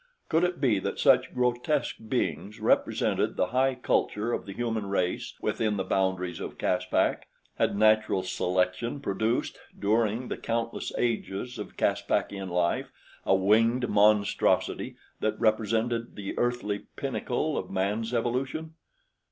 Could it be that such grotesque beings represented the high culture of the human race within the boundaries of Caspak? Had natural selection produced during the countless ages of Caspakian life a winged monstrosity that represented the earthly pinnacle of man's evolution?